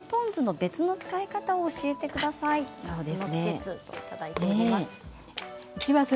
梅ポン酢の別の使い方を教えてくださいということです。